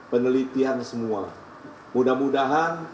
penelitian semua mudah mudahan